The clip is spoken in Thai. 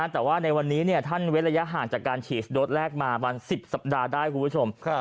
แต่ว่าในวันนี้ท่านเว้นระยะห่างจากการฉีดโดสแรกมาวัน๑๐สัปดาห์ได้คุณผู้ชม